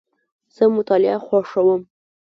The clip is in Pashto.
زه مطالعه خوښوم.